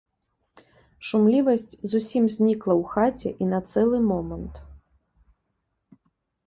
Шумлівасць зусім знікла ў хаце і на цэлы момант.